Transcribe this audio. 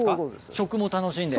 食も楽しんで。